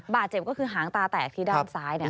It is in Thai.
บาดเจ็บก็คือหางตาแตกที่ด้านซ้าย